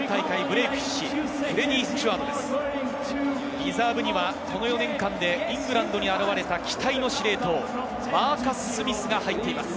リザーブにはこの４年間でイングランドに現れた期待の司令塔マーカス・スミスが入っています。